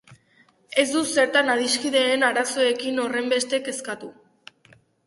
Ez dut zertan adiskideen arazoekin horrenbeste kezkatu.